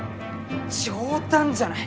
冗談じゃない！